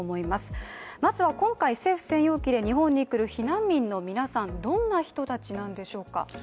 まずは今回、政府専用機で日本に来る避難民の皆さんどんな人たちなんでしょうか？